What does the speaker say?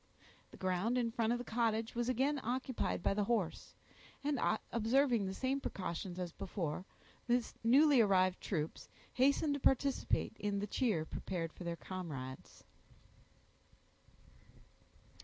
The ground in front of the cottage was again occupied by the horse; and observing the same precautions as before, the newly arrived troops hastened to participate in the cheer prepared for their comrades.